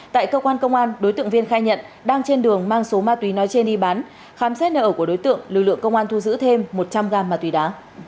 tại cơ quan công an đối tượng viên khai nhận đang trên đường mang số ma túy nói trên đi bán khám xét nợ của đối tượng lực lượng công an thu giữ thêm một trăm linh gam ma túy đá